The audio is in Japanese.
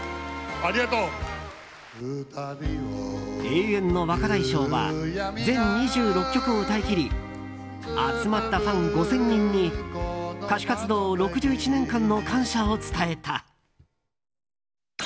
永遠の若大将は全２６曲を歌い切り集まったファン５０００人に歌手活動６１年間の感謝を伝えた。